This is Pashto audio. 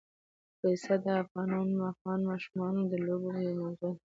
پسه د افغان ماشومانو د لوبو یوه موضوع ده.